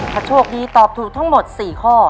ถ้าโชคดีตอบถูกทั้งหมด๔ข้อ